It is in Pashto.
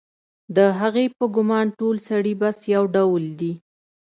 د هغې په ګومان ټول سړي بس یو ډول دي